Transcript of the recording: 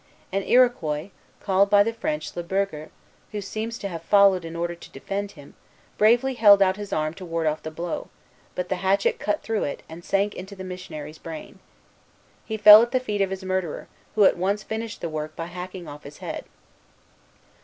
An Iroquois, called by the French Le Berger, who seems to have followed in order to defend him, bravely held out his arm to ward off the blow; but the hatchet cut through it, and sank into the missionary's brain. He fell at the feet of his murderer, who at once finished the work by hacking off his head.